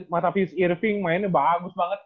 matapius irving mainnya bagus banget